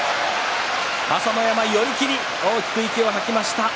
朝乃山、寄り切り大きく息を吐きました。